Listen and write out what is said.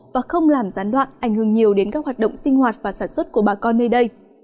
và không làm gián đoạn ảnh hưởng nhiều đến các hoạt động sinh hoạt và sản xuất của bà con nơi đây